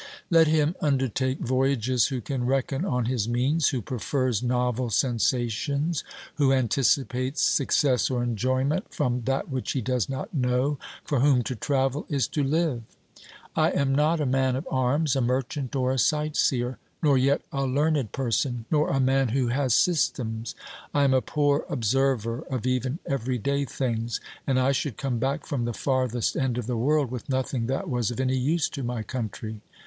Let him undertake 'a" OBERMANN 299 voyages who can reckon on his means, who prefers novel sensations, who anticipates success or enjoyment from that which he does not know, for whom to travel is to live. I am not a man of arms, a merchant, or a sightseer, nor yet a learned person, nor a man who has systems ; I am a poor observer of even everyday things, and I should come back from the farthest end of the world with nothing that was of any use to my country.